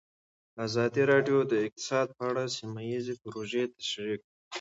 ازادي راډیو د اقتصاد په اړه سیمه ییزې پروژې تشریح کړې.